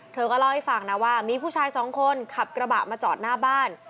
เธอก็เล่าให้ฟังนะว่ามีผู้ชายสองคนขับกระบะมาจอดหน้าบ้าน